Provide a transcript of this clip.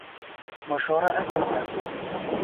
مشوره عقل زیاتوې.